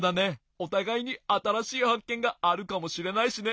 おたがいにあたらしいはっけんがあるかもしれないしね。